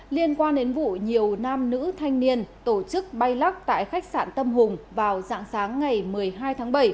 liên quan đến vụ nhiều nam nữ thanh niên tổ chức bay lắc tại khách sạn tâm hùng vào dạng sáng ngày một mươi hai tháng bảy